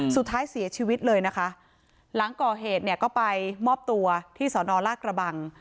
สุดท้ายเสียชีวิตเลยนะคะหลังก่อเหตุเนี่ยก็ไปมอบตัวที่สอนอลากระบัง